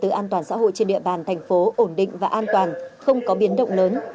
tự an toàn xã hội trên địa bàn thành phố ổn định và an toàn không có biến động lớn